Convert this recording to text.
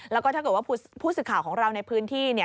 แล้วก็ถ้าเกิดว่าผู้สื่อข่าวของเราในพื้นที่